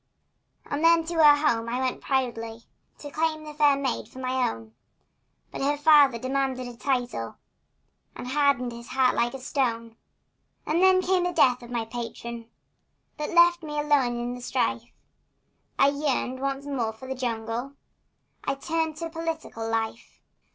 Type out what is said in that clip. And then to her home I went proudly To claim the fair maid for my own, But her father demanded a title, And hardened his heart like a stone. And now came the death of my patron, That left me alone in the strife, And yearning once more for the jungle, I turned to political life.